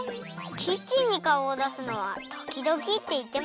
キッチンにかおをだすのはときどきっていってませんでしたっけ？